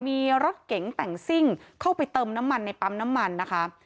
มีรถเก๋งแต่งซิ่งเข้าไปเติมน้ำมันในปั๊มน้ำมันนะคะ